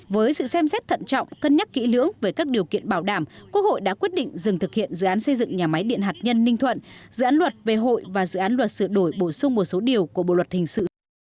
với sự xem xét thận trọng cân nhắc kỹ lưỡng về các điều kiện bảo đảm quốc hội đã quyết định dừng thực hiện dự án xây dựng nhà máy điện hạt nhân ninh thuận dự án luật về hội và dự án luật sửa đổi bổ sung một số điều của bộ luật hình sự